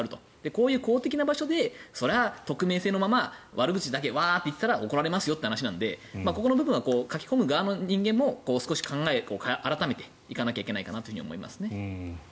こういう公的な場所でそれは匿名性のまま悪口だけワーッと言ってたら怒られますよという話なのでこの部分は書き込む側の人間も考えを改めていかないといけないかなと思います。